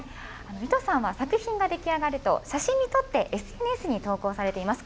リトさんは作品が出来上がると、写真に撮ってＳＮＳに投稿されています。